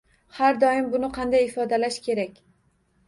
Har doim buni qanday ifodalash kerak.